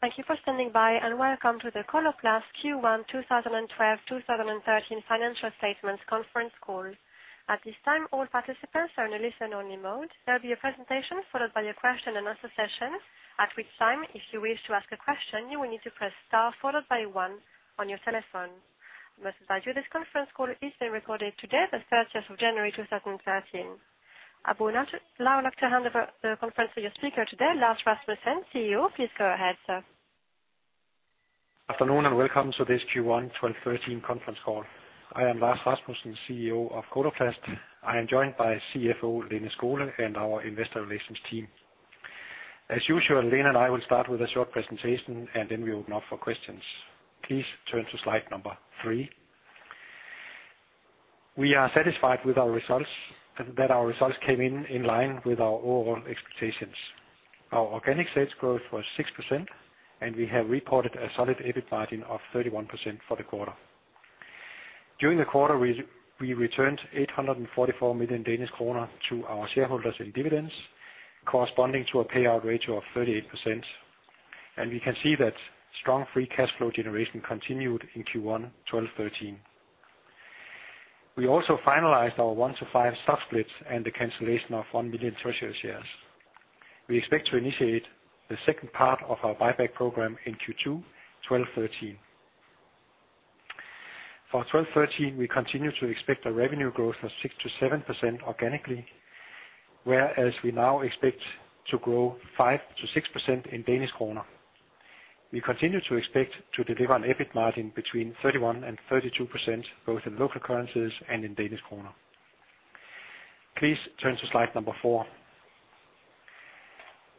Thank you for standing by, and welcome to the Coloplast Q1 2012/2013 Financial Statements Conference Call. At this time, all participants are in a listen-only mode. There will be a presentation, followed by a question and answer session, at which time, if you wish to ask a question, you will need to press star followed by 1 on your telephone. I must advise you, this conference call is being recorded today, the thirteenth of January, two thousand and thirteen. I would now like to hand over the conference to your speaker today, Lars Rasmussen, CEO. Please go ahead, sir. Afternoon, welcome to this Q1 2013 conference call. I am Lars Rasmussen, CEO of Coloplast. I am joined by CFO, Lene Skole, and our investor relations team. As usual, Lene and I will start with a short presentation, then we open up for questions. Please turn to slide number three. We are satisfied with our results, that our results came in line with our overall expectations. Our organic sales growth was 6%, we have reported a solid EBIT margin of 31% for the quarter. During the quarter, we returned 844 million Danish kroner to our shareholders in dividends, corresponding to a payout ratio of 38%. We can see that strong free cash flow generation continued in Q1 2013. We also finalized our one to five stock splits and the cancellation of one million treasury shares. We expect to initiate the second part of our buyback program in Q2 2012-2013. For 2012-2013, we continue to expect a revenue growth of 6%-7% organically, whereas we now expect to grow 5%-6% in Danish kroner. We continue to expect to deliver an EBIT margin between 31% and 32%, both in local currencies and in Danish kroner. Please turn to slide number four.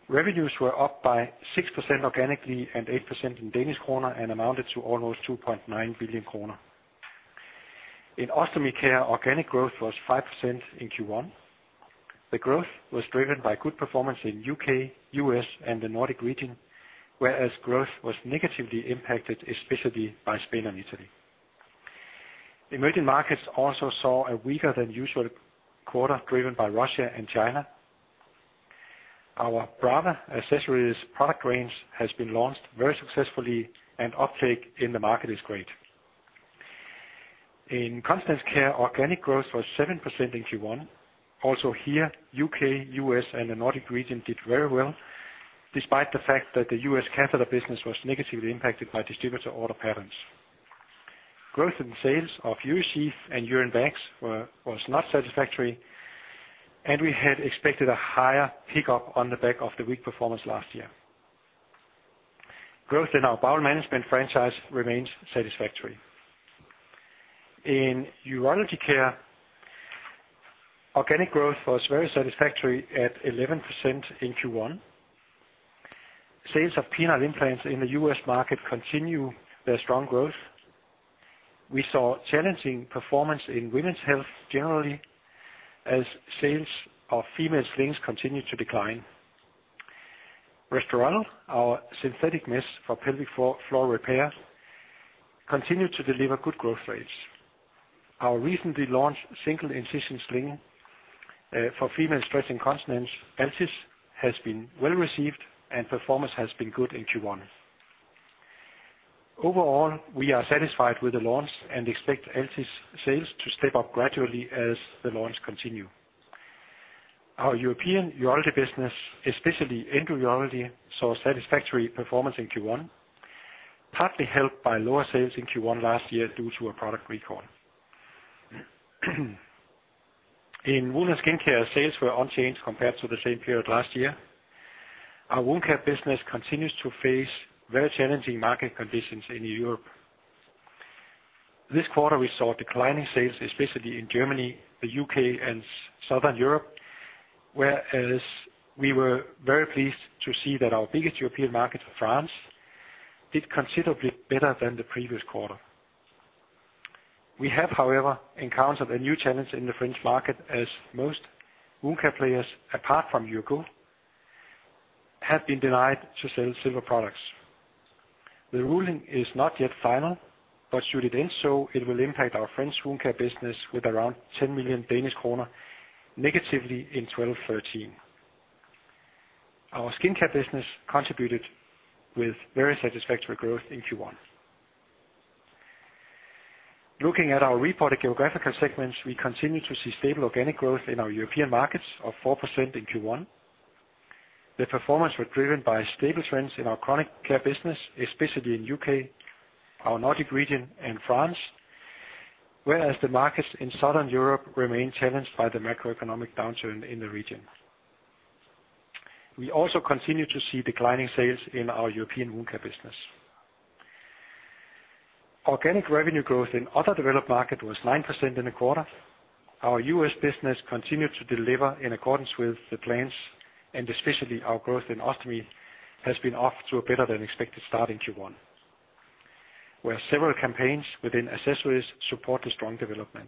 Revenues were up by 6% organically, and 8% in Danish kroner, and amounted to almost 2.9 billion kroner. In Ostomy Care, organic growth was 5% in Q1. The growth was driven by good performance in U.K., U.S., and the Nordic region, whereas growth was negatively impacted, especially by Spain and Italy. Emerging markets also saw a weaker than usual quarter, driven by Russia and China. Our Brava accessories product range has been launched very successfully. Uptake in the market is great. In Continence Care, organic growth was 7% in Q1. Here, U.K., U.S., and the Nordic region did very well, despite the fact that the U.S. catheter business was negatively impacted by distributor order patterns. Growth in sales of urine sheath and urine bags was not satisfactory. We had expected a higher pickup on the back of the weak performance last year. Growth in our bowel management franchise remains satisfactory. In Urology Care, organic growth was very satisfactory at 11% in Q1. Sales of penile implants in the U.S. market continue their strong growth. We saw challenging performance in women's health generally, as sales of female slings continued to decline. Restorelle, our synthetic mesh for pelvic floor repair, continued to deliver good growth rates. Our recently launched single incision sling for female stress incontinence, Altis, has been well received, and performance has been good in Q1. Overall, we are satisfied with the launch, and expect Altis sales to step up gradually as the launch continue. Our European urology business, especially endourology, saw satisfactory performance in Q1, partly helped by lower sales in Q1 last year, due to a product recall. In Wound & Skin Care, sales were unchanged compared to the same period last year. Our wound care business continues to face very challenging market conditions in Europe. This quarter, we saw declining sales, especially in Germany, the UK, and Southern Europe, whereas we were very pleased to see that our biggest European market, France, did considerably better than the previous quarter. We have, however, encountered a new challenge in the French market, as most Wound Care players, apart from Mölnlycke, have been denied to sell silver products. The ruling is not yet final, but should it end so, it will impact our French Wound Care business with around 10 million Danish kroner negatively in 12-13. Our Skin Care business contributed with very satisfactory growth in Q1. Looking at our reported geographical segments, we continue to see stable organic growth in our European markets of 4% in Q1. The performance was driven by stable trends in our chronic care business, especially in UK, our Nordic region, and France, whereas the markets in Southern Europe remain challenged by the macroeconomic downturn in the region. We also continue to see declining sales in our European Wound Care business. Organic revenue growth in other developed market was 9% in the quarter. Our US business continued to deliver in accordance with the plans, and especially our growth in Ostomy Care, has been off to a better than expected start in Q1, where several campaigns within accessories support the strong development.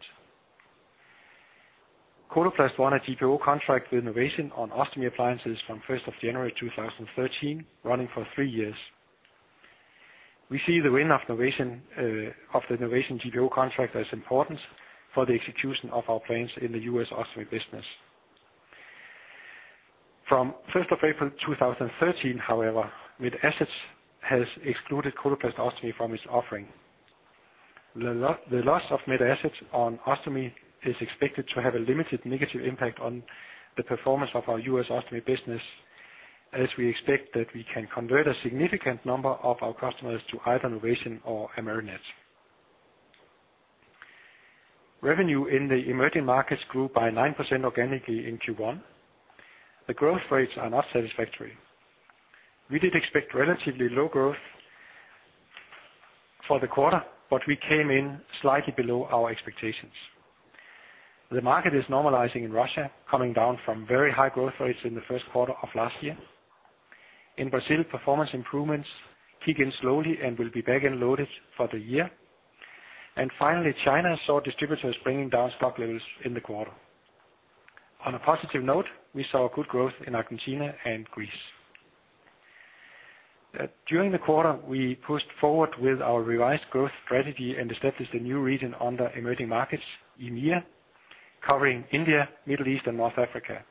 Coloplast won a GPO contract with Novation on ostomy appliances from 1st of January, 2013, running for three years. We see the win of Novation of the Novation GPO contract as important for the execution of our plans in the US Ostomy Care business. From 1st of April 2013, however, MedAssets has excluded Coloplast Ostomy Care from its offering. The loss of MedAssets on Ostomy Care is expected to have a limited negative impact on the performance of our US Ostomy Care business, as we expect that we can convert a significant number of our customers to either Novation or Amerinet. Revenue in the emerging markets grew by 9% organically in Q1. The growth rates are not satisfactory. We did expect relatively low growth for the quarter, but we came in slightly below our expectations. The market is normalizing in Russia, coming down from very high growth rates in the first quarter of last year. In Brazil, performance improvements kick in slowly and will be back end loaded for the year. Finally, China saw distributors bringing down stock levels in the quarter. On a positive note, we saw good growth in Argentina and Greece. During the quarter, we pushed forward with our revised growth strategy and established a new region under emerging markets, EMEA, covering India, Middle East and North Africa.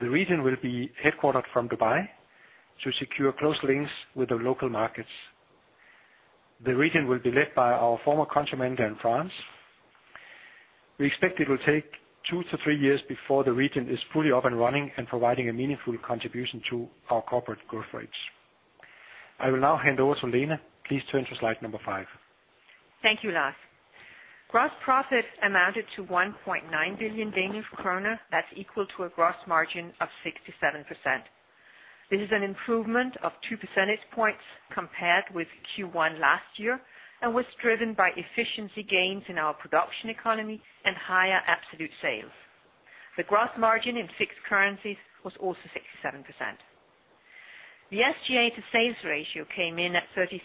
The region will be headquartered from Dubai to secure close links with the local markets. The region will be led by our former country manager in France. We expect it will take two to three years before the region is fully up and running and providing a meaningful contribution to our corporate growth rates. I will now hand over to Lene. Please turn to slide number five. Thank you, Lars. Gross profit amounted to 1.9 billion Danish krone. That's equal to a gross margin of 67%. This is an improvement of two percentage points compared with Q1 last year, and was driven by efficiency gains in our production economy and higher absolute sales. The gross margin in fixed currencies was also 67%. The SGA to sales ratio came in at 33%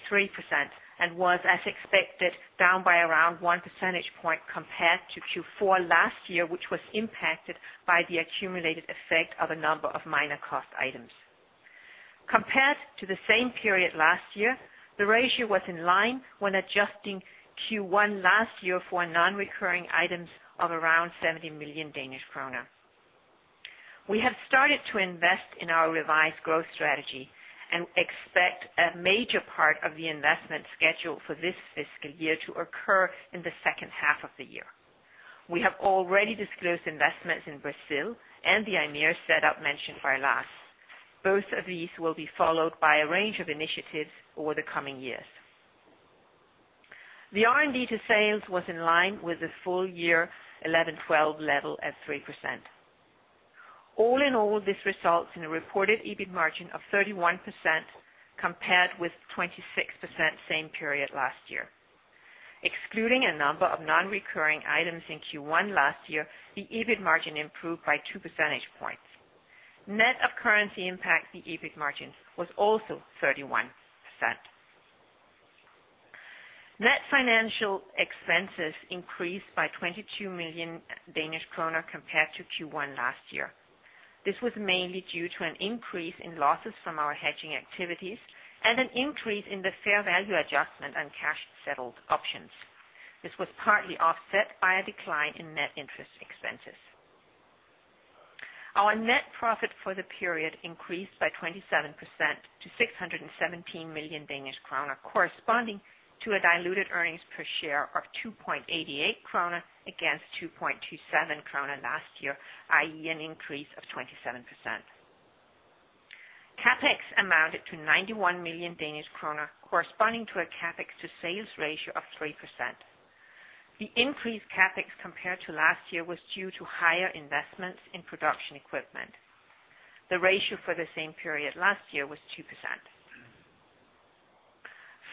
and was, as expected, down by around one percentage point compared to Q4 last year, which was impacted by the accumulated effect of a number of minor cost items. Compared to the same period last year, the ratio was in line when adjusting Q1 last year for non-recurring items of around 70 million Danish krone. We have started to invest in our revised growth strategy and expect a major part of the investment schedule for this fiscal year to occur in the second half of the year. We have already disclosed investments in Brazil and the EMEA setup mentioned by Lars. Both of these will be followed by a range of initiatives over the coming years. The R&D to sales was in line with the full year 2011-2012 level at 3%. All in all, this results in a reported EBIT margin of 31%, compared with 26% same period last year. Excluding a number of non-recurring items in Q1 last year, the EBIT margin improved by two percentage points. Net of currency impact, the EBIT margin was also 31%. Net financial expenses increased by 22 million Danish kroner compared to Q1 last year. This was mainly due to an increase in losses from our hedging activities, and an increase in the fair value adjustment on cash-settled options. This was partly offset by a decline in net interest expenses. Our net profit for the period increased by 27% to 617 million Danish kroner, corresponding to a diluted earnings per share of 2.88 kroner, against 2.27 kroner last year, i.e., an increase of 27%. CapEx amounted to 91 million Danish kroner, corresponding to a CapEx to sales ratio of 3%. The increased CapEx compared to last year, was due to higher investments in production equipment. The ratio for the same period last year was 2%.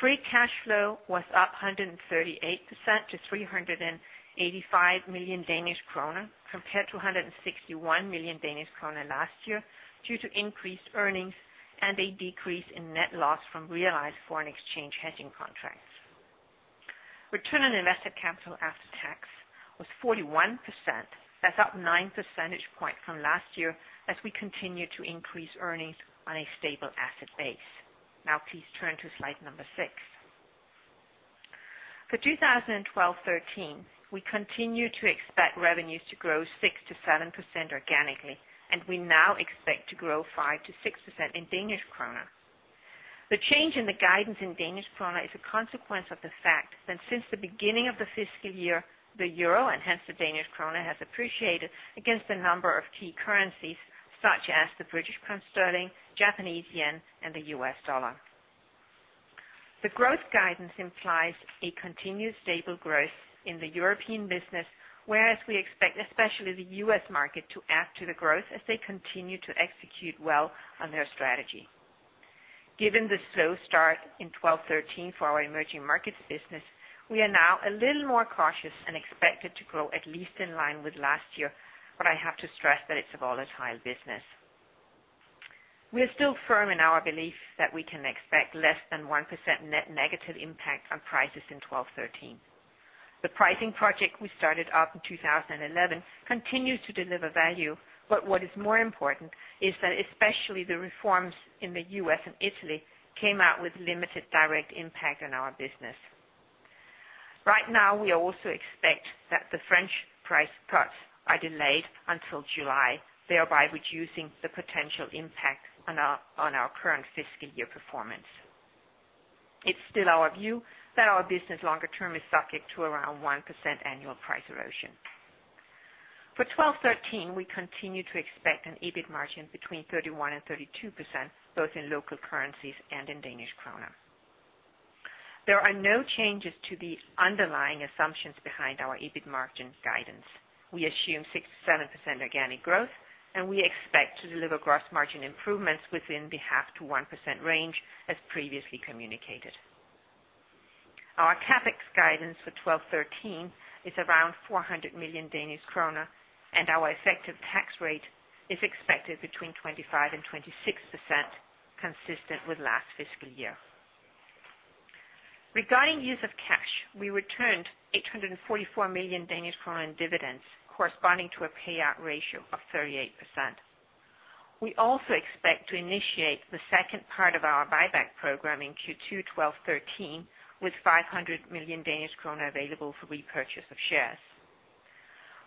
Free cash flow was up 138% to 385 million Danish kroner, compared to 161 million Danish kroner last year, due to increased earnings and a decrease in net loss from realized foreign exchange hedging contracts. Return on invested capital after tax was 41%. That's up nine percentage points from last year, as we continue to increase earnings on a stable asset base. Please turn to slide number six. For 2012-2013, we continue to expect revenues to grow 6%-7% organically, and we now expect to grow 5%-6% in Danish kroner. The change in the guidance in Danish kroner is a consequence of the fact that since the beginning of the fiscal year, the euro, and hence the Danish kroner, has appreciated against a number of key currencies, such as the British pound sterling, Japanese yen, and the US dollar. The growth guidance implies a continued stable growth in the European business, whereas we expect, especially the US market, to add to the growth as they continue to execute well on their strategy. Given the slow start in twelve-thirteen for our emerging markets business, we are now a little more cautious and expect it to grow at least in line with last year, but I have to stress that it's a volatile business. We are still firm in our belief that we can expect less than 1% net negative impact on prices in twelve-thirteen. The pricing project we started up in 2011 continues to deliver value, but what is more important, is that especially the reforms in the U.S. and Italy came out with limited direct impact on our business. Right now, we also expect that the French price cuts are delayed until July, thereby reducing the potential impact on our current fiscal year performance. It's still our view that our business longer term is subject to around 1% annual price erosion. For 2012-2013, we continue to expect an EBIT margin between 31% and 32%, both in local currencies and in Danish kroner. There are no changes to the underlying assumptions behind our EBIT margin guidance. We assume 6%-7% organic growth, and we expect to deliver gross margin improvements within the half to 1% range, as previously communicated. Our CapEx guidance for 2012-2013 is around 400 million Danish kroner, and our effective tax rate is expected between 25% and 26%, consistent with last fiscal year. Regarding use of cash, we returned 844 million Danish kroner in dividends, corresponding to a payout ratio of 38%. We also expect to initiate the second part of our buyback program in Q2 2012-2013, with 500 million Danish kroner available for repurchase of shares.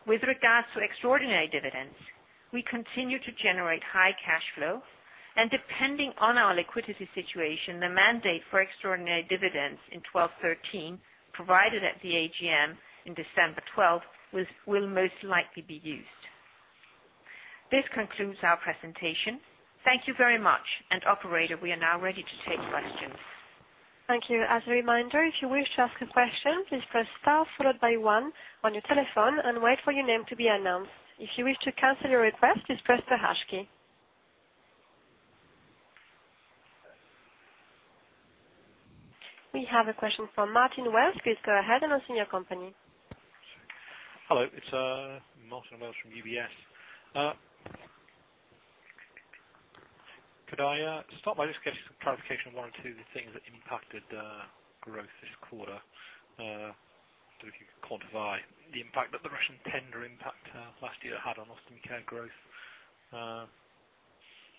With regards to extraordinary dividends, we continue to generate high cash flow, and depending on our liquidity situation, the mandate for extraordinary dividends in 2012-2013, provided at the AGM in December 12, will most likely be used. This concludes our presentation. Thank you very much. Operator, we are now ready to take questions. Thank you. As a reminder, if you wish to ask a question, please press star followed by one on your telephone and wait for your name to be announced. If you wish to cancel a request, just press the hash key. We have a question from Martin Wells. Please go ahead and state your company. Hello, it's Martin Wells from UBS. Could I start by just getting some clarification on one or two of the things that impacted growth this quarter? If you could quantify the impact that the Russian tender impact last year had on Ostomy Care growth.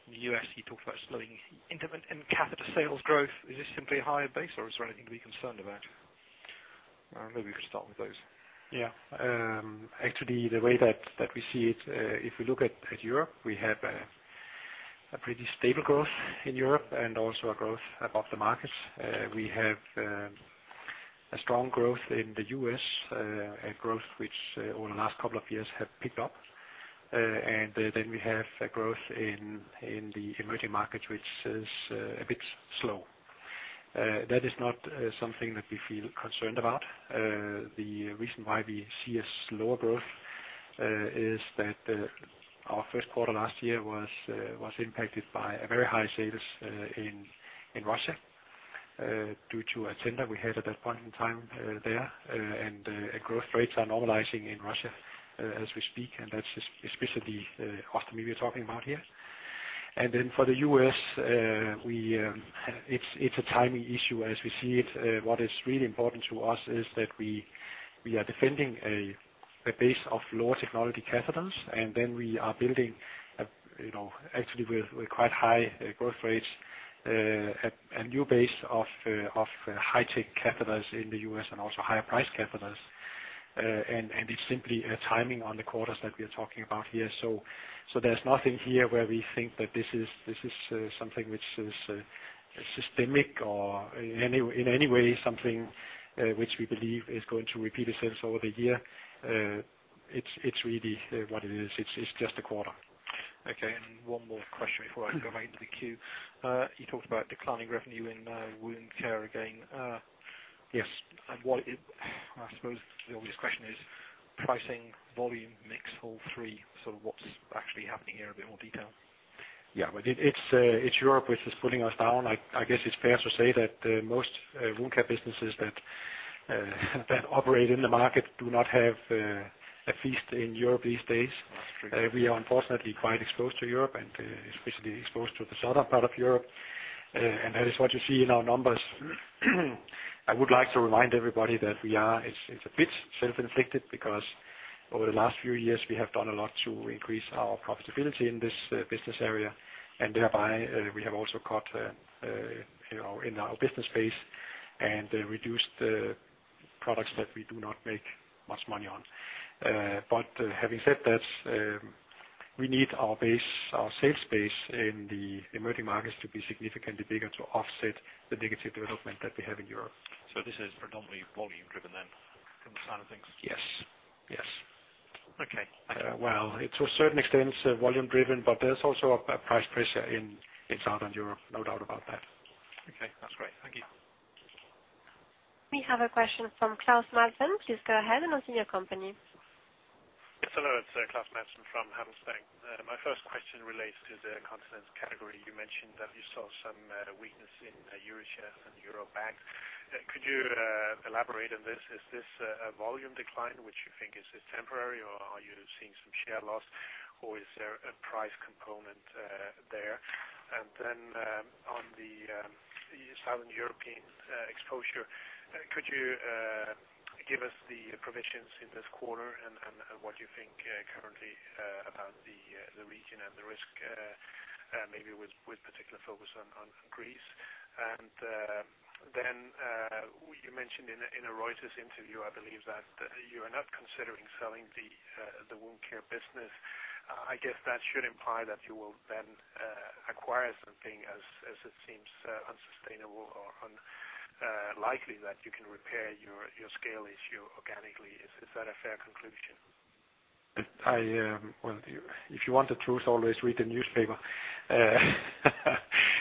In the U.S., you talked about slowing intimate and catheter sales growth. Is this simply a higher base, or is there anything to be concerned about? Maybe we could start with those. Yeah. Actually, the way that we see it, if we look at Europe, we have a pretty stable growth in Europe and also a growth above the market. We have a strong growth in the U.S., a growth which over the last couple of years have picked up. Then we have a growth in the emerging markets, which is a bit slow. That is not something that we feel concerned about. The reason why we see a slower growth is that our first quarter last year was impacted by a very high sales in Russia, due to a tender we had at that point in time, there. Growth rates are normalizing in Russia as we speak, and that's especially Ostomy we're talking about here. For the U.S., we, it's a timing issue as we see it. What is really important to us is that we are defending a base of lower technology catheters, and then we are building a, you know, actually with quite high growth rates, a new base of high-tech catheters in the U.S. and also higher price catheters. It's simply a timing on the quarters that we are talking about here. There's nothing here where we think that this is something which is systemic or in any way, something which we believe is going to repeat itself over the year. it's really, what it is. It's just a quarter. Okay, one more question before I go back to the queue. You talked about declining revenue in Wound Care again. Yes. I suppose the obvious question is pricing, volume, mix, all three. What's actually happening here? A bit more detail. Yeah. It's Europe, which is pulling us down. I guess it's fair to say that most wound care businesses that operate in the market do not have a feast in Europe these days. That's true. We are unfortunately quite exposed to Europe and especially exposed to the southern part of Europe. That is what you see in our numbers. I would like to remind everybody that it's a bit self-inflicted, because over the last few years, we have done a lot to increase our profitability in this business area, and thereby, we have also cut, you know, in our business base and reduced the products that we do not make much money on. Having said that, we need our base, our sales base in the emerging markets to be significantly bigger to offset the negative development that we have in Europe. This is predominantly volume driven then, from the sound of things? Yes. Yes. Okay. well, it's to a certain extent volume driven, but there's also a price pressure in Southern Europe. No doubt about that. Okay. That's great. Thank you. We have a question from Klaus Madsen. Please go ahead and state your company. Yes, hello. It's Klaus Madsen from Sydbank. My first question relates to the Continence Care category. You mentioned that you saw some weakness in Euro shares and Euro banks. Could you elaborate on this? Is this a volume decline, which you think is temporary, or are you seeing some share loss, or is there a price component there? On the Southern European exposure, could you give us the provisions in this quarter and what you think currently about the region and the risk, maybe with particular focus on Greece? You mentioned in a Reuters interview, I believe, that you are not considering selling the Wound & Skin Care business. I guess that should imply that you will then acquire something as it seems unsustainable or unlikely that you can repair your scale issue organically. Is that a fair conclusion? I, well, if you want the truth, always read the newspaper.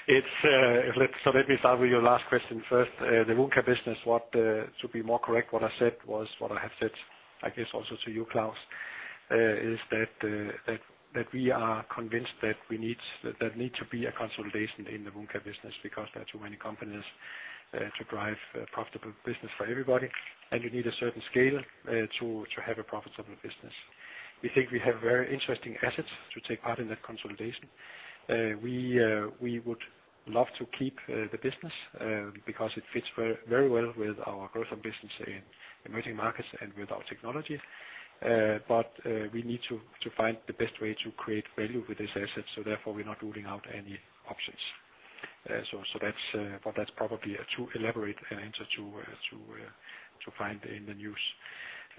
It's, let me start with your last question first. The wound care business, to be more correct, what I said was, what I have said, I guess also to you, Klaus, is that we are convinced that there need to be a consolidation in the wound care business, because there are too many companies to drive a profitable business for everybody. You need a certain scale to have a profitable business. We think we have very interesting assets to take part in that consolidation. We would love to keep the business because it fits very, very well with our growth of business in emerging markets and with our technology. We need to find the best way to create value with this asset, so therefore, we're not ruling out any options. That's, but that's probably a too elaborate an answer to find in the news.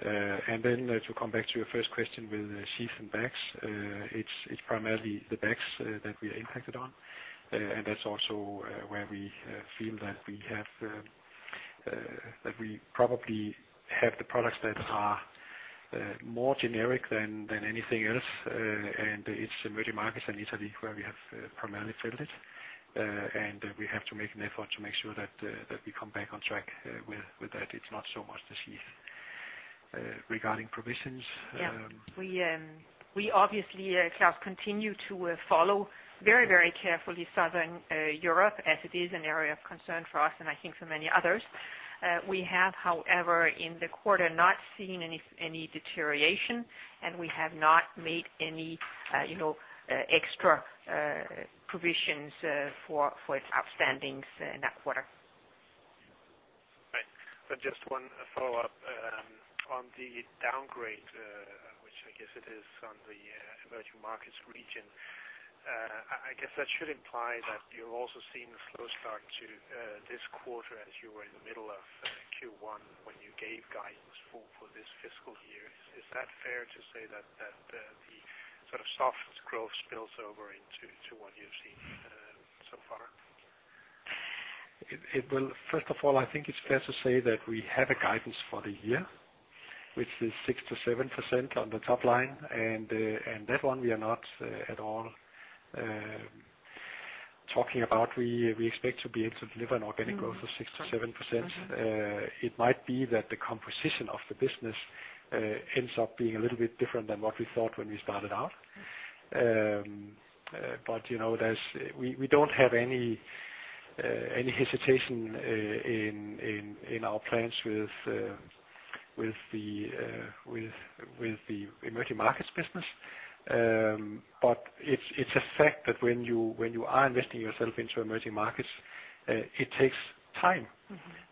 Then to come back to your first question with sheath and bags, it's primarily the bags that we are impacted on. That's also where we feel that we have that we probably have the products that are more generic than anything else. It's emerging markets and Italy, where we have primarily felt it. We have to make an effort to make sure that we come back on track with that. It's not so much the sheath. Regarding provisions. We, we obviously, Klaus, continue to follow very, very carefully Southern Europe, as it is an area of concern for us and I think for many others. We have, however, in the quarter not seen any deterioration, and we have not made any, you know, extra provisions for its outstandings in that quarter. Right. Just one follow-up on the downgrade, which I guess it is on the emerging markets region. I guess that should imply that you're also seeing a slow start to this quarter as you were in the middle of Q1 when you gave guidance for this fiscal year. Is that fair to say that the sort of soft growth spills over into what you've seen so far? It will. First of all, I think it's fair to say that we have a guidance for the year, which is 6%-7% on the top line, and that one we are not at all talking about. We expect to be able to deliver an organic growth of 6%-7%. It might be that the composition of the business ends up being a little bit different than what we thought when we started out. You know, we don't have any hesitation in our plans with the emerging markets business. It's a fact that when you are investing yourself into emerging markets, it takes time.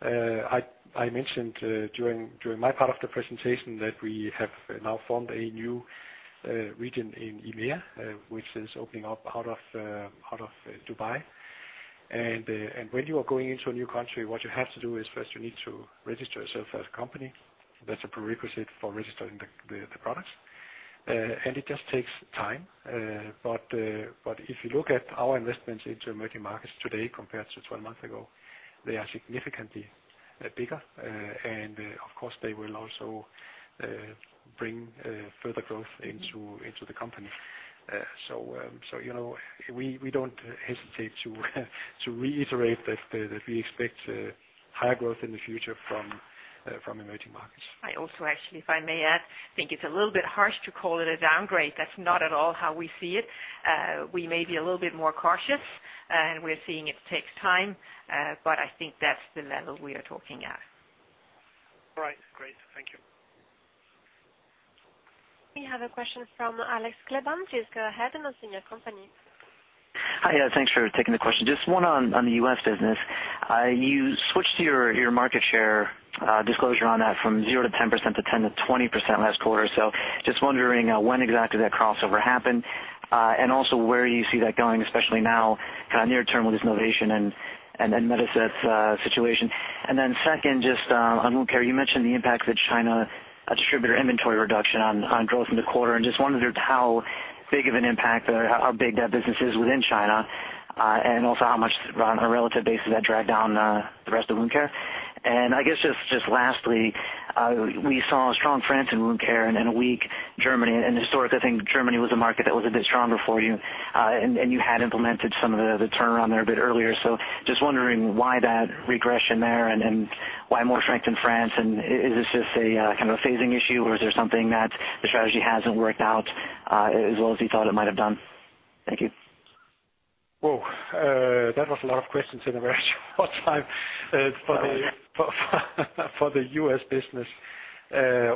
Mm-hmm. I mentioned during my part of the presentation, that we have now formed a new region in EMEA, which is opening up out of Dubai. When you are going into a new country, what you have to do is first you need to register yourself as a company. That's a prerequisite for registering the products. It just takes time. If you look at our investments into emerging markets today compared to 12 months ago, they are significantly bigger. Of course, they will also bring further growth into the company. So you know, we don't hesitate to reiterate that we expect higher growth in the future from emerging markets. I also actually, if I may add, think it's a little bit harsh to call it a downgrade. That's not at all how we see it. We may be a little bit more cautious, and we're seeing it takes time, but I think that's the level we are talking at. All right, great. Thank you. We have a question from Steven Alexopoulos. Please go ahead, and listen your company. Hi, thanks for taking the question. Just one on the US business. You switched your market share disclosure on that from 0%-10% to 10%-20% last quarter. Just wondering when exactly that crossover happened, and also where you see that going, especially now, kind of near term with this Novation and then MedAssets situation. Second, just on Wound Care, you mentioned the impact of the China distributor inventory reduction on growth in the quarter. Just wondering how big of an impact or how big that business is within China, and also how much on a relative basis that dragged down the rest of Wound Care? I guess just lastly, we saw a strong France in Wound Care and a weak Germany. Historically, I think Germany was a market that was a bit stronger for you, and you had implemented some of the turnaround there a bit earlier. Just wondering why that regression there and why more strength in France, and is this just a kind of a phasing issue, or is there something that the strategy hasn't worked out as well as you thought it might have done? Thank you. Whoa! That was a lot of questions in a very short time. For the U.S. business,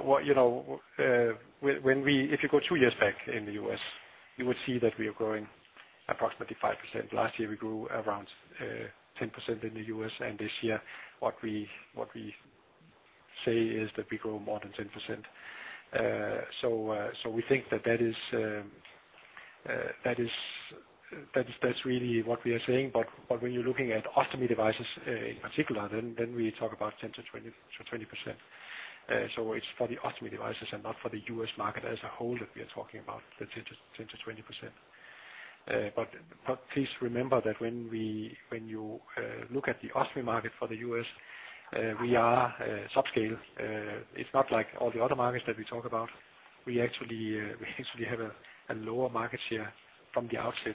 what, you know, if you go two years back in the U.S., you would see that we are growing approximately 5%. Last year, we grew around 10% in the U.S. This year, what we say is that we grow more than 10%. We think that that is really what we are saying. When you're looking at ostomy devices, in particular, we talk about 10%-20%. It's for the ostomy devices and not for the U.S. market as a whole, that we are talking about the 10%-20%. Please remember that when you look at the ostomy market for the U.S., we are subscale. It's not like all the other markets that we talk about. We actually have a lower market share from the outset,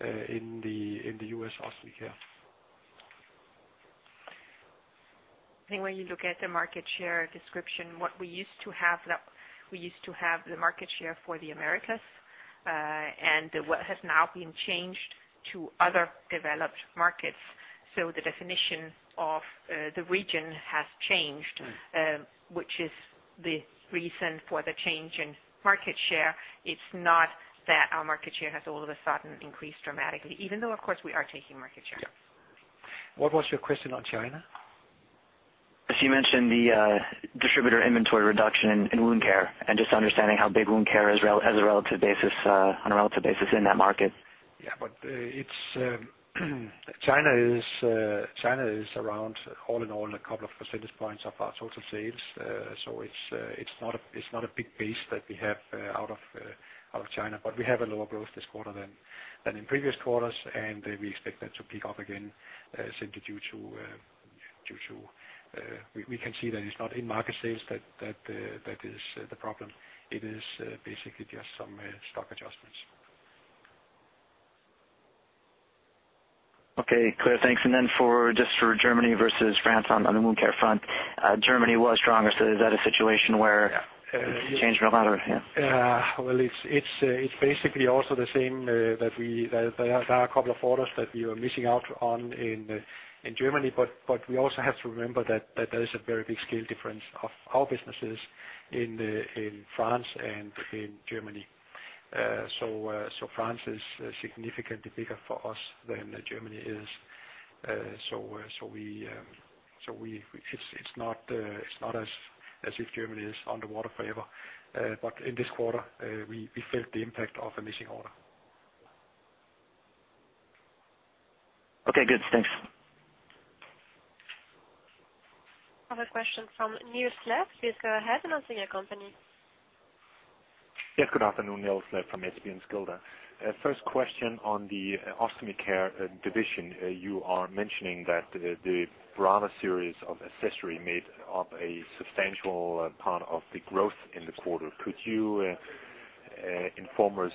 in the U.S. Ostomy Care. I think when you look at the market share description, what we used to have, that we used to have the market share for the Americas, and what has now been changed to other developed markets. The definition of the region has changed, which is the reason for the change in market share. It's not that our market share has all of a sudden increased dramatically, even though, of course, we are taking market share. Yeah. What was your question on China? As you mentioned, the distributor inventory reduction in wound care, just understanding how big wound care is as a relative basis, on a relative basis in that market. China is around, all in all, a couple of percentage points of our total sales. It's not a big base that we have out of China, but we have a lower growth this quarter than in previous quarters, and we expect that to pick up again. We can see that it's not in-market sales that is the problem. It is basically just some stock adjustments. Okay, clear. Thanks. For, just for Germany versus France on the wound care front, Germany was stronger. Is that a situation where-. Yeah. It changed a lot or? Yeah. Well, it's basically also the same, that we, there are a couple of orders that we are missing out on in Germany. We also have to remember that there is a very big scale difference of our businesses in France and in Germany. France is significantly bigger for us than Germany is. We it's not as if Germany is underwater forever. In this quarter, we felt the impact of a missing order. Okay, good. Thanks. Other question from Niels Granholm-Leth. Please go ahead, and I'll see your company. Good afternoon, Niels Granholm-Leth from Carnegie. First question on the Ostomy Care division. You are mentioning that the Brava series of accessory made up a substantial part of the growth in the quarter. Could you inform us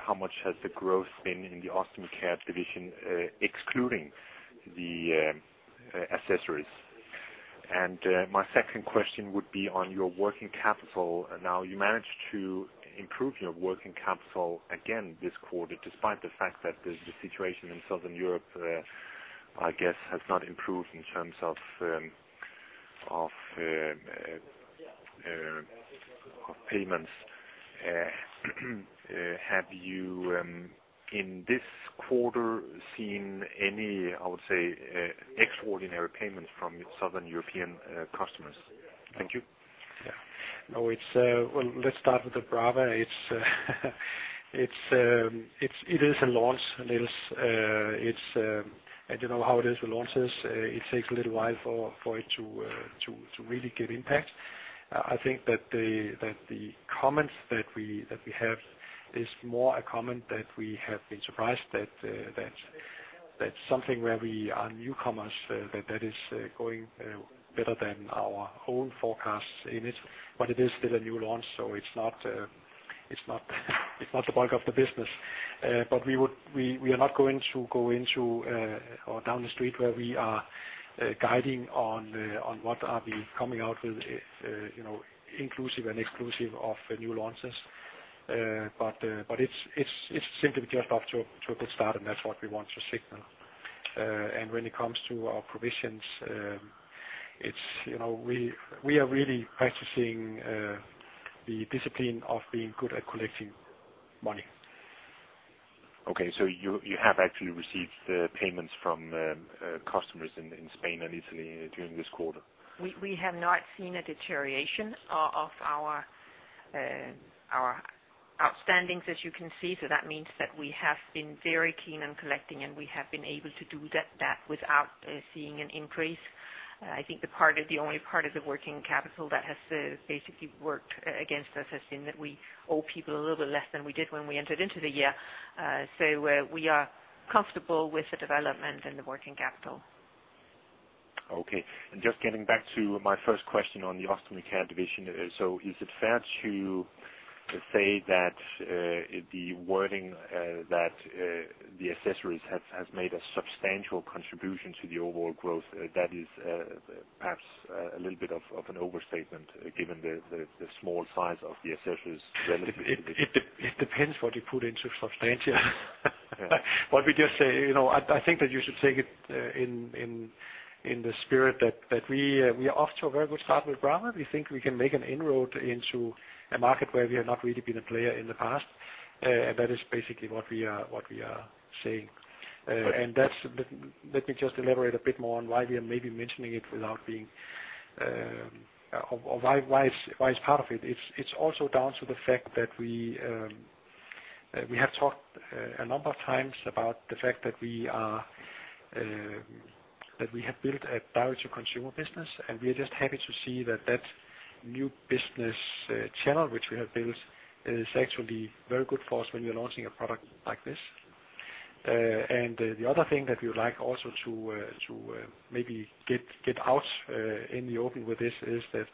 how much has the growth been in the Ostomy Care division, excluding the accessories? My second question would be on your working capital. You managed to improve your working capital again this quarter, despite the fact that the situation in Southern Europe, I guess, has not improved in terms of payments. Have you in this quarter, seen any, I would say, extraordinary payments from Southern European customers? Thank you. Yeah. No, well, let's start with the Brava. It is a launch, Niels. It's, you know how it is with launches, it takes a little while for it to really give impact. I think that the comments that we have is more a comment that we have been surprised that something where we are newcomers, that is going better than our own forecasts in it. It is still a new launch, so it's not the bulk of the business. We are not going to go into or down the street where we are guiding on what are we coming out with, you know, inclusive and exclusive of new launches. It's simply just off to a good start, and that's what we want to signal. When it comes to our provisions, it's, you know, we are really practicing the discipline of being good at collecting money. Okay, you have actually received the payments from customers in Spain and Italy during this quarter? We have not seen a deterioration of our outstandings, as you can see. That means that we have been very keen on collecting, and we have been able to do that without seeing an increase. I think the only part of the working capital that has basically worked against us has been that we owe people a little bit less than we did when we entered into the year. We are comfortable with the development and the working capital. Okay. Just getting back to my first question on the Ostomy Care division. Is it fair to say that the wording that the accessories has made a substantial contribution to the overall growth that is perhaps a little bit of an overstatement, given the small size of the accessories relative to the? It depends what you put into substantial. We just say, you know, I think that you should take it in the spirit that we are off to a very good start with Brava. We think we can make an inroad into a market where we have not really been a player in the past. That is basically what we are saying. That's, let me just elaborate a bit more on why we are maybe mentioning it without being or why it's part of it. It's also down to the fact that we have talked a number of times about the fact that we are that we have built a direct-to-consumer business, and we are just happy to see that that new business channel which we have built is actually very good for us when we are launching a product like this. The other thing that we would like also to get out in the open with this is that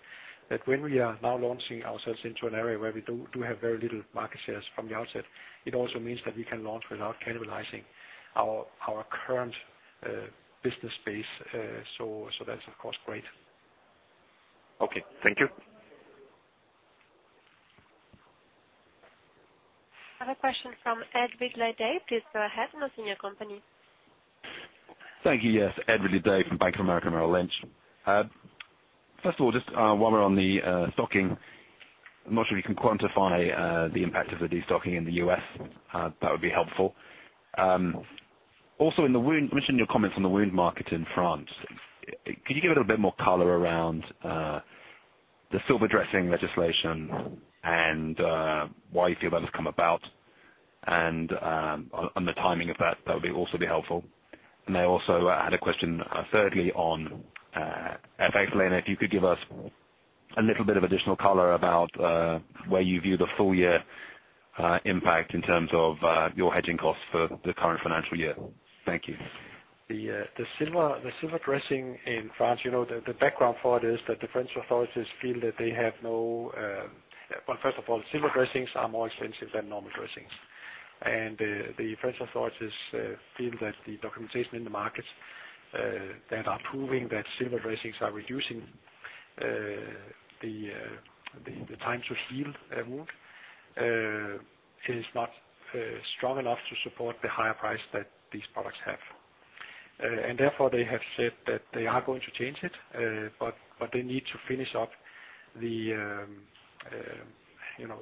when we are now launching ourselves into an area where we do have very little market shares from the outset, it also means that we can launch without cannibalizing our current business base. That's of course great. Okay, thank you. I have a question from Ed Ridley-Day. Please go ahead and your company. Thank you. Yes, Ed Ridley-Day from Bank of America, Merrill Lynch. First of all, just while we're on the stocking, I'm not sure if you can quantify the impact of the destocking in the U.S. That would be helpful. Also in the wound mentioned in your comments on the wound market in France, could you give a little bit more color around the silver dressing legislation and why you feel that has come about? On the timing of that would also be helpful. I also had a question, thirdly, on FX. If you could give us a little bit of additional color about where you view the full year impact in terms of your hedging costs for the current financial year. Thank you. The silver dressing in France, you know, the background for it is that the French authorities feel that they have no. Well, first of all, silver dressings are more expensive than normal dressings. The French authorities feel that the documentation in the markets that are proving that silver dressings are reducing the time to heal a wound is not strong enough to support the higher price that these products have. Therefore, they have said that they are going to change it, but they need to finish up, you know,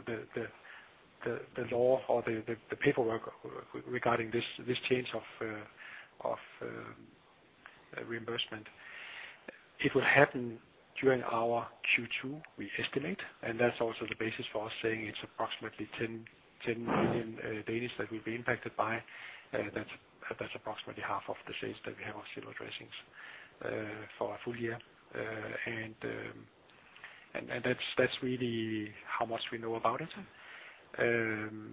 the law or the paperwork regarding this change of reimbursement. It will happen during our Q2, we estimate. That's also the basis for us saying it's approximately 10 million days that we've been impacted by. That's approximately half of the sales that we have on silver dressings for a full year. That's really how much we know about it. Then